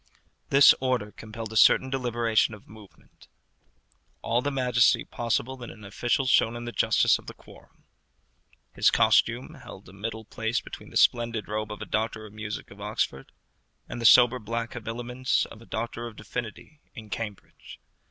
This order compelled a certain deliberation of movement. All the majesty possible in an official shone in the justice of the quorum. His costume held a middle place between the splendid robe of a doctor of music of Oxford and the sober black habiliments of a doctor of divinity of Cambridge.